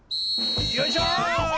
よいしょい！